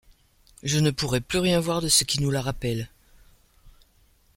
Je ne pourrais plus rien voir de ce qui nous la rappelle. ..